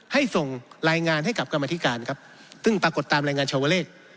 ส่งรายงานให้กับกรรมธิการครับซึ่งปรากฏตามรายงานชาวเลศ